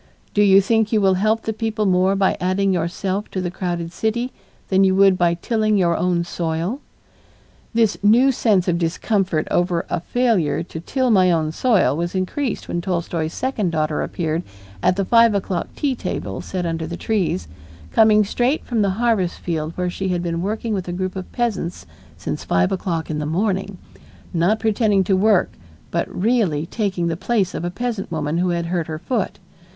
Do you think you will help the people more by adding yourself to the crowded city than you would by tilling your own soil?" This new sense of discomfort over a failure to till my own soil was increased when Tolstoy's second daughter appeared at the five o'clock tea table set under the trees, coming straight from the harvest field where she had been working with a group of peasants since five o'clock in the morning, not pretending to work but really taking the place of a peasant woman who had hurt her foot.